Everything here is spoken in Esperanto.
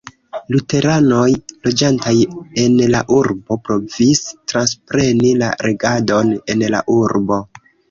Luteranoj loĝantaj en la urbo provis transpreni la regadon en la urbo.